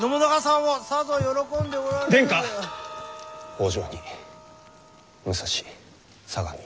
北条に武蔵相模